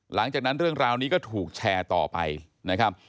หลังจากนั้นเรื่องราวนี้ก็ถูกแชร์ต่อไปนะครับ